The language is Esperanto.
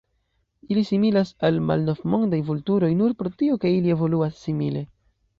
Ili similas al Malnovmondaj vulturoj nur pro tio ke ili evoluas simile.